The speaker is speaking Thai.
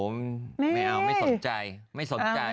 ไม่เอาไม่สนใจไม่สนใจ